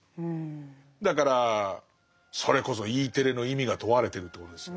だからそれこそＥテレの意味が問われてるってことですよ。